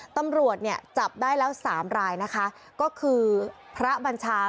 ตำรวจจับได้แล้ว๓รายนะคะก็คือพระบัญชา